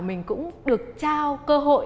mình cũng được trao cơ hội